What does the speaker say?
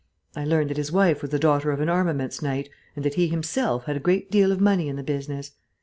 I learnt that his wife was the daughter of an armaments knight, and that he himself had a great deal of money in the business.